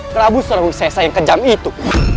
terabus serbu sesa yang kejam itu